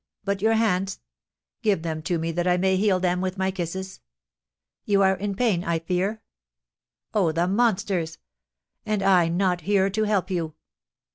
But your hands? Give them to me that I may heal them with my kisses! You are in pain, I fear? Oh, the monsters! And I not here to help you!"